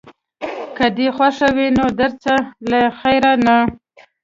که دې خوښه وي نو درځه له خیره، نه.